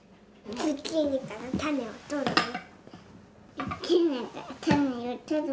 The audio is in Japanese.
ズッキーニから種をとるの。